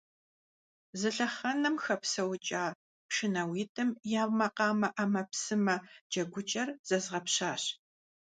Зы лъэхъэнэм хэпсэукӀа пшынауитӀым я макъамэ Ӏэмэпсымэ джэгукӀэр зэзгъэпщащ.